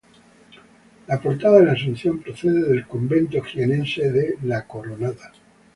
La portada de la Asunción procede del convento jiennense de La Coronada.